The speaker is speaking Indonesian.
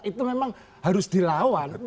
itu memang harus dilawan